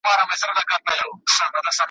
لا کیسه د ادم خان ده زر کلونه سوه شرنګیږي `